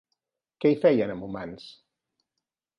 Què hi feien amb humans?